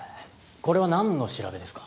これはなんの調べですか？